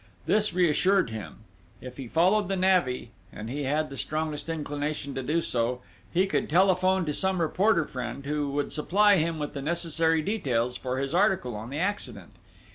This reassured him; if he followed the navvy, and he had the strongest inclination to do so, he could telephone to some reporter friend who would supply him with the necessary details for his article on the accident.